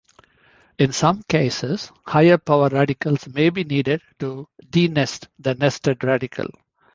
In some cases, higher-power radicals may be needed to denest the nested radical.